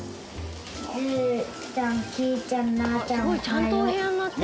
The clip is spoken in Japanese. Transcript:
すごいちゃんとおへやになってる。